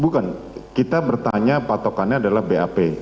bukan kita bertanya patokannya adalah bap